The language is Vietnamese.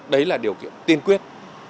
đấy là điều kiện tiên quyết